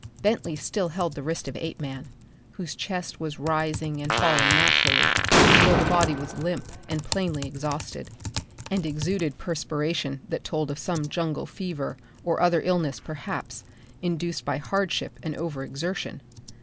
Bentley still held the wrist of Apeman, whose chest was rising and falling naturally, though the body was limp and plainly exhausted, and exuded perspiration that told of some jungle fever or other illness perhaps, induced by hardship and over exertion.